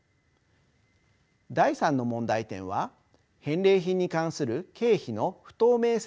第３の問題点は返礼品に関する経費の不透明性の問題です。